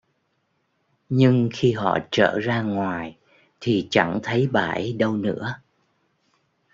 Nhưng khi họ trở ra ngoài thì chẳng thấy bà ấy đâu nữa